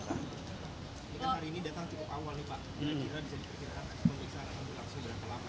hari ini datang cukup awal nih pak